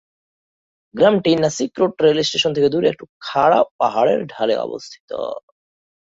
গ্রামটি Nashik road rail station থেকে দূরে একটি উঁচু খাড়া পাহাড়ের ঢালে অবস্থিত।